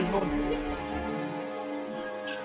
bạn không biết gì